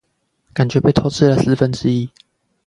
感覺被偷吃了四分之一